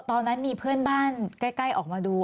ตอนนั้นมีเพื่อนบ้านใกล้ออกมาดู